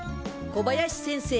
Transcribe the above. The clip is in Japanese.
小林先生